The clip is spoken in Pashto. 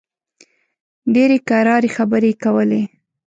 ډېرې کراري خبرې کولې.